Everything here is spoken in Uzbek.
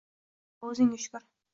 E Xudo! Oʻzingga shukur!